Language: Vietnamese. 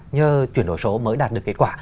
nhờ chuyển đổi số mới đạt được kết quả